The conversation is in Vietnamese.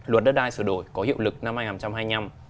luật đất đai sửa đổi có hiệu lực năm hai nghìn hai mươi năm